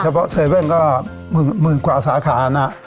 เพราะ๗๑๑ก็หมื่นกว่าสาขานะ